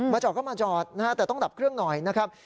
จอดก็มาจอดนะฮะแต่ต้องดับเครื่องหน่อยนะครับ